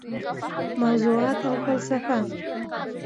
موضوعات او فلسفه: